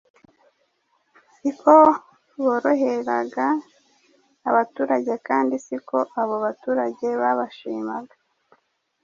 si ko boroheraga abaturage kandi si ko abo baturage babashimaga.